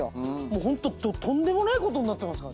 もうホントとんでもないことになってます。